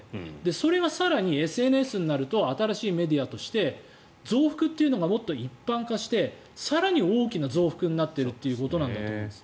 それが更にＳＮＳになると新しいメディアとして増幅というのがもっと一般化して更に大きな増幅になっているということなんだと思います。